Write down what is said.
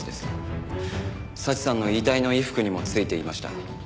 早智さんの遺体の衣服にもついていました。